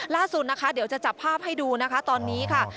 ล่าสุดนะคะเดี๋ยวจะจับภาพให้ดูนะคะตอนนี้ค่ะ